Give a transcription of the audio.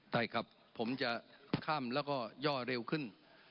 แต่กลับผมจะข้ามแล้วก็ย่อเร็วขึ้น